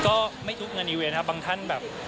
ก็ไม่ทุกข์เงินอีเวนต์ครับบางท่านแบบ